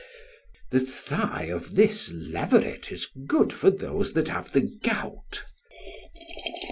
The thigh of this leveret is good for those that have the gout.